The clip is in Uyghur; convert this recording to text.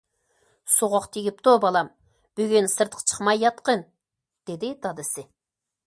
- سوغۇق تېگىپتۇ بالام، بۈگۈن سىرتقا چىقماي ياتقىن،- دېدى دادىسى.